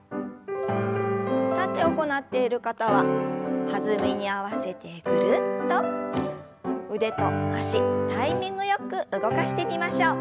立って行っている方は弾みに合わせてぐるっと腕と脚タイミングよく動かしてみましょう。